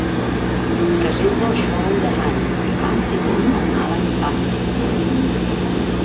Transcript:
Presenta el "Show de Hahn i Humpty" amb Alan Hahn.